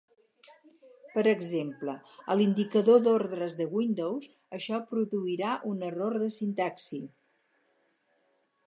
Per exemple, a l'indicador d'ordres de Windows, això produirà un error de sintaxi.